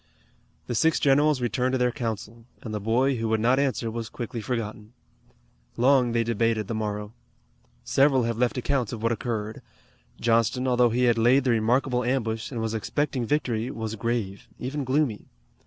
The six generals returned to their council, and the boy who would not answer was quickly forgotten. Long they debated the morrow. Several have left accounts of what occurred. Johnston, although he had laid the remarkable ambush, and was expecting victory, was grave, even gloomy.